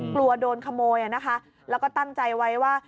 กลัวโดนขโมยนะคะแล้วก็ตั้งใจไว้ว่า